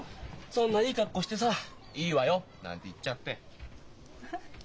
そんないいかっこしてさ「いいわよ」なんて言っちゃって。